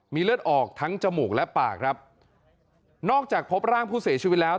มีเลือดออกทั้งจมูกและปากครับนอกจากพบร่างผู้เสียชีวิตแล้ว